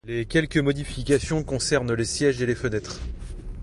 Les quelques modifications concernent les sièges et les fenêtres.